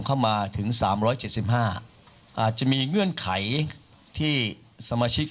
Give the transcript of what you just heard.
เข้ามาถึงสามร้อยเจ็ดสิบห้าอ่าจะมีเงื่อนไขที่สมาชิก